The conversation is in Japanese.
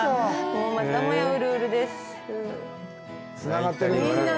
またもや、うるうるです。